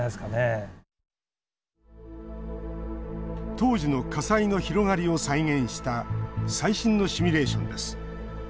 当時の火災の広がりを再現した最新のシミュレーションです。